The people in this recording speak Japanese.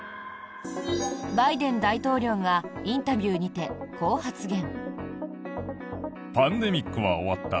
バイデン大統領がインタビューにて、こう発言。